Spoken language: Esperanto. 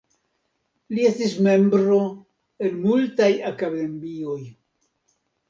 Li estis membro en multaj akademioj.